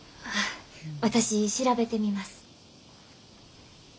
私調べてみます。